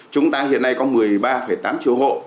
chúng ta hiện nay có một mươi ba tám triệu hộ